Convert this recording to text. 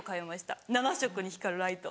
７色に光るライト。